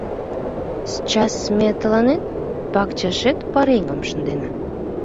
Счас ме тыланет пакчашет пареҥгым шындена!